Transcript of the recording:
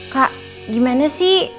kak gimana sih